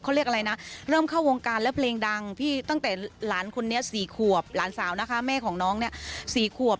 เขาเรียกอะไรนะเริ่มเข้าวงการแล้วเพลงดังพี่ตั้งแต่หลานคนนี้๔ขวบหลานสาวนะคะแม่ของน้องเนี่ย๔ขวบ